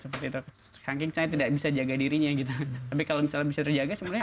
sekarang saya tidak bisa jaga dirinya tapi kalau bisa terjaga semuanya baik